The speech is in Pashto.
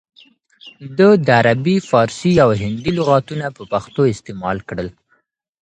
ده د عربي، فارسي او هندي لغاتونه په پښتو استعمال کړل